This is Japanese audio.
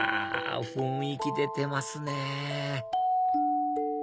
雰囲気出てますね